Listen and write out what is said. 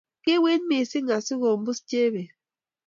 kiwiit missing asigombus Chebet